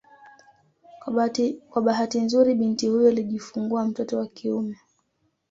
Kwa bahati nzuri binti huyo alijifungua mtoto wa kiume